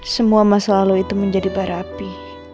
semua masa lalu itu menjadi bara api